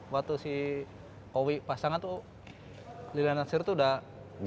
waktu si awya pasangan tuh liliana nasir tuh udah hebat